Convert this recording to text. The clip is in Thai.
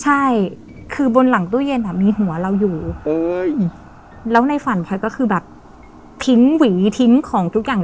ใช่คือบนหลังตู้เย็นอ่ะมีหัวเราอยู่แล้วในฝันพลอยก็คือแบบทิ้งหวีทิ้งของทุกอย่าง